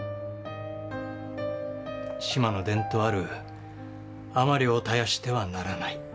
志摩の伝統ある海女漁を絶やしてはならない。